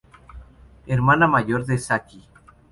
Hermana mayor de Saki.